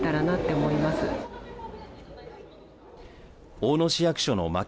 大野市役所のまき